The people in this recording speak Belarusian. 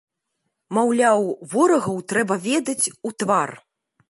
Маўляў, ворагаў трэба ведаць у твар!